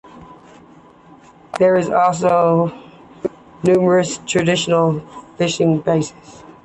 There are also numerous traditional fishing bases.